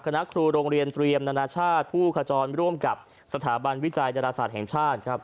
คณะครูโรงเรียนเตรียมนานาชาติผู้ขจรร่วมกับสถาบันวิจัยดาราศาสตร์แห่งชาติครับ